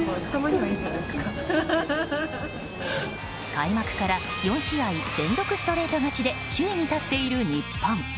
開幕から４試合連続ストレート勝ちで首位に立っている日本。